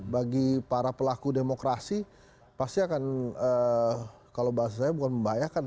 bagi para pelaku demokrasi pasti akan kalau bahasa saya bukan membahayakan